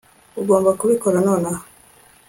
Ugomba kubikora nonaha